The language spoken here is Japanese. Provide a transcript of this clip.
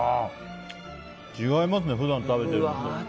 違いますね、普段食べてるのと。